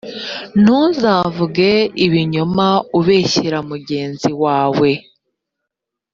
ntuzavuge ibinyoma ubeshyera mugenzi wawe.